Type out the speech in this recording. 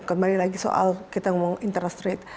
kembali lagi soal kita ngomong interest rate